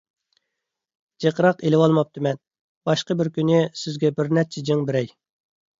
جىقراق ئېلىۋالماپتىمەن، باشقا بىر كۈنى سىزگە بىر نەچچە جىڭ بېرەي.